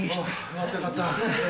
よかったよかった。